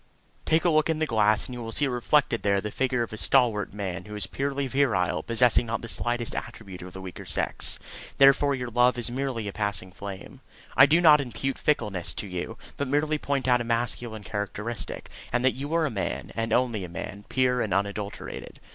Take a look in the glass, and you will see reflected there the figure of a stalwart man who is purely virile, possessing not the slightest attribute of the weaker sex, therefore your love is merely a passing flame. I do not impute fickleness to you, but merely point out a masculine characteristic, and that you are a man, and only a man, pure and unadulterated.